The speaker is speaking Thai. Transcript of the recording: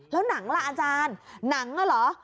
แล้วหนังล่ะอาจารย์หนังอะเหรอ